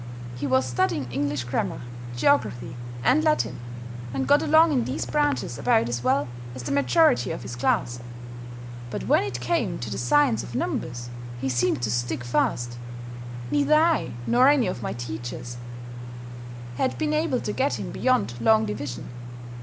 He was studying English grammar, geography, and Latin, and got along in these branches about as well as the majority of his class. But when it came to the science of numbers, he seemed to stick fast. Neither I nor any of my teachers had been able to get him beyond Long Division.